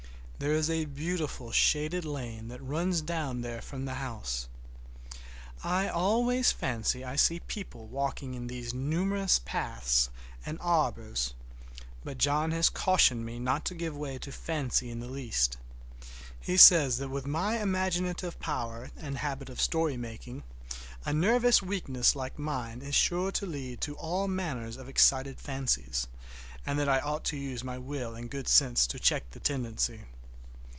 There is a beautiful shaded lane that runs down there from the house. I always fancy I see people walking in these numerous paths and arbors, but John has cautioned me not to give way to fancy in the least. He says that with my imaginative power and habit of story making a nervous weakness like mine is sure to lead to all manner of excited fancies, and that I ought to use my will and good sense to check the tendency.